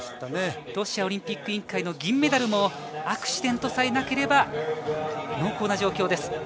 ロシアオリンピック委員会の銀メダルもアクシデントさえなければ濃厚な状況です。